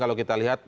kalau kita lihat